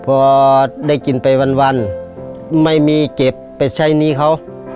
พอได้กินไปวันไม่มีเก็บไปใช้หนี้เขา